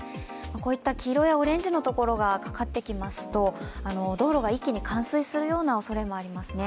こういった黄色やオレンジのところがかかってきますと道路が一気に冠水するようなおそれもありますね。